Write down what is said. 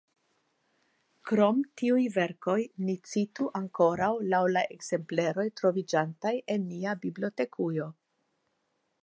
Krom tiuj verkoj ni citu ankoraŭ laŭ la ekzempleroj troviĝantaj en nia bibliotekujo.